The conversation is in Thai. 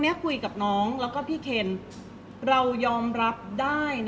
เพราะว่าสิ่งเหล่านี้มันเป็นสิ่งที่ไม่มีพยาน